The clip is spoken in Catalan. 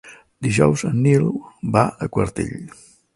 Dijous en Nil va a Quartell.